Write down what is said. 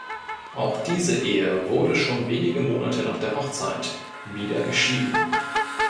Auch diese Ehe wurde schon wenige Monate nach der Hochzeit wieder geschieden.